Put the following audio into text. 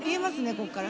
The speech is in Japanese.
ここから。